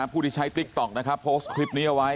ผู้ที่ใช้ติ๊กต๊อกนะครับโพสต์คลิปนี้เอาไว้